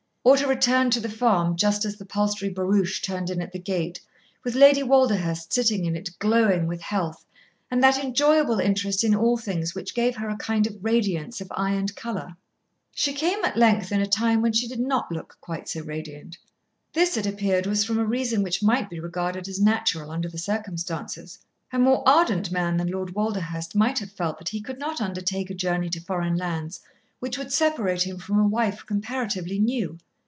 Or to return to the Farm just as the Palstrey barouche turned in at the gate with Lady Walderhurst sitting in it glowing with health and that enjoyable interest in all things which gave her a kind of radiance of eye and colour. She came at length in a time when she did not look quite so radiant. This, it appeared, was from a reason which might be regarded as natural under the circumstances. A more ardent man than Lord Walderhurst might have felt that he could not undertake a journey to foreign lands which would separate him from a wife comparatively new.